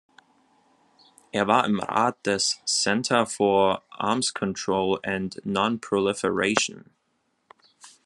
Er war im Rat des "Center for Arms Control and Non-Proliferation".